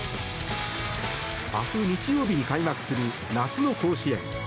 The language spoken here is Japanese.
明日、日曜日に開幕する夏の甲子園。